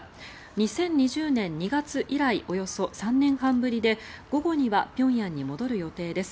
２０２０年２月以来およそ３年半ぶりで午後には平壌に戻る予定です。